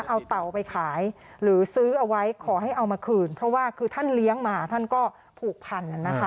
เอาเต่าไปขายหรือซื้อเอาไว้ขอให้เอามาคืนเพราะว่าคือท่านเลี้ยงมาท่านก็ผูกพันนะคะ